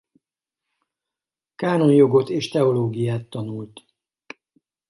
Kánonjogot és teológiát tanult.